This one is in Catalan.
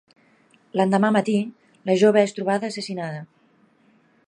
L'endemà matí, la jove és trobada assassinada.